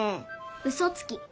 うそつき。